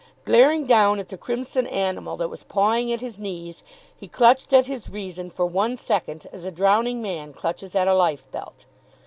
Glaring down at the crimson animal that was pawing at his knees, he clutched at his reason for one second as a drowning man clutches at a lifebelt.